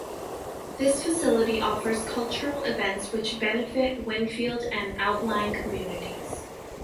This facility offers cultural events which benefit Winfield and outlying communities.